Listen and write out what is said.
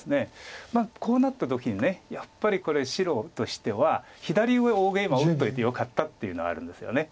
まあこうなった時にやっぱり白としては左上大ゲイマを打っといてよかったっていうのはあるんですよね。